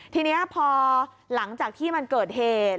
ทีนี้พอหลังจากที่มันเกิดเหตุ